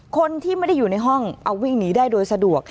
คนที่ไม่ได้อยู่ในห้องเอาวิ่งหนีได้โดยสะดวก